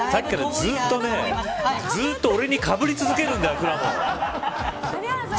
さっきから、ずっと俺にかぶり続けるんだよ、くらもん。